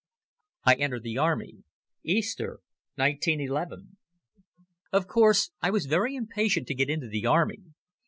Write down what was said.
I Enter the Army. (Easter, 1911) OF course, I was very impatient to get into the Army.